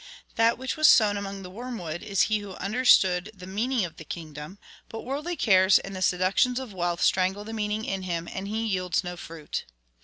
That which was sown among the worm wood is he who understood the meaning of the kingdom, but worldly cares and the seductions of wealth strangle the meaning in him, and he yields no fruit.